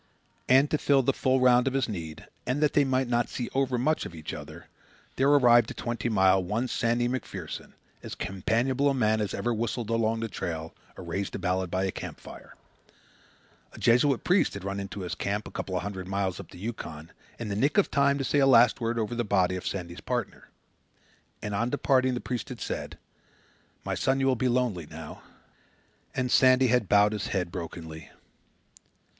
And to fill the full round of his need, and that they might not see overmuch of each other, there arrived at Twenty Mile one Sandy MacPherson, as companionable a man as ever whistled along the trail or raised a ballad by a camp fire. A Jesuit priest had run into his camp, a couple of hundred miles up the Yukon, in the nick of time to say a last word over the body of Sandy's partner. And on departing, the priest had said, "My son, you will be lonely now." And Sandy had bowed his head brokenly.